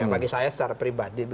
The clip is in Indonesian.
bagi saya secara pribadi